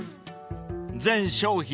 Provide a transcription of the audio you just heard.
［全商品